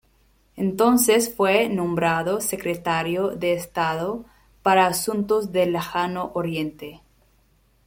Entonces fue nombrado Secretario de Estado para asuntos del Lejano Oriente.